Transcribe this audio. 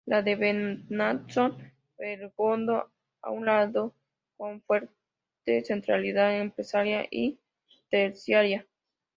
La de Betanzos-Bergondo a un lado, con fuerte centralidad empresarial y terciaria.